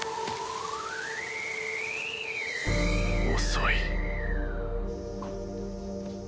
遅い